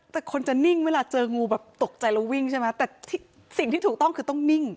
แต่คนจะนิ่งเวลาเจองูแบบตกใจแล้ววิ่งใช่ไหมแต่สิ่งที่ถูกต้องคือต้องนิ่ง